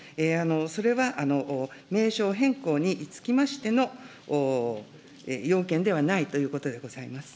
それは名称変更につきましての、要件ではないということでございます。